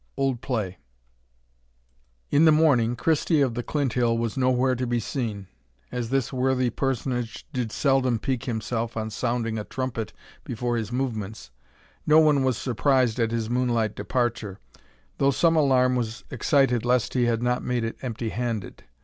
OLD PLAY. In the morning Christie of the Clinthill was nowhere to be seen. As this worthy personage did seldom pique himself on sounding a trumpet before his movements, no one was surprised at his moonlight departure, though some alarm was excited lest he had not made it empty handed.